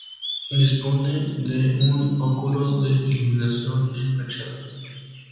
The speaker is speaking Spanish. Dispone de un óculo de iluminación en fachada.